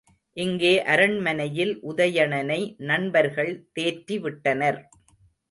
இங்கே அரண்மனையில் உதயணனை நண்பர்கள் தேற்றிவிட்டனர்.